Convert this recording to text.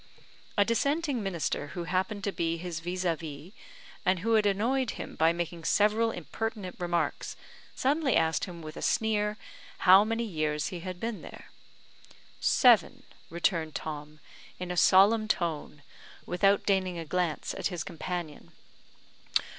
A dissenting minister who happened to be his vis a vis, and who had annoyed him by making several impertinent remarks, suddenly asked him, with a sneer, how many years he had been there. "Seven," returned Tom, in a solemn tone, without deigning a glance at his companion.